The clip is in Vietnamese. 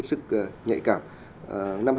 cái thứ hai nữa là họ